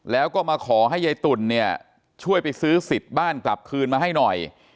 แล้วก็มาขอให้ยายตุ่นเนี่ยช่วยไปซื้อสิทธิ์บ้านกลับคืนมาให้หน่อย